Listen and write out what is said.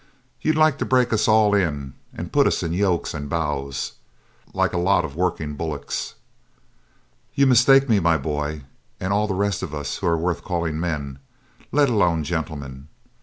'You'd like to break us all in and put us in yokes and bows, like a lot of working bullocks.' 'You mistake me, my boy, and all the rest of us who are worth calling men, let alone gentlemen.